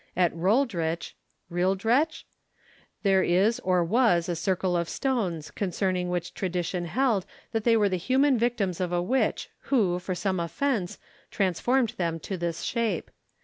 At Rolldritch (Rhwyldrech?) there is or was a circle of stones, concerning which tradition held that they were the human victims of a witch who, for some offence, transformed them to this shape.